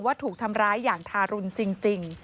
เพราะว่าลูกชายได้เล่าให้ฟังว่าถูกทำร้ายอย่างทารุณจริง